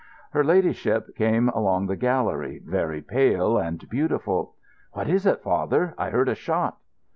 Her ladyship came along the gallery, very pale and beautiful. "What is it, father? I heard a shot."